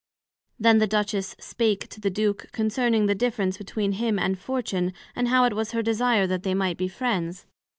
Then the Duchess spake to the Duke concerning the difference between him and Fortune, and how it was her desire that they might be friends.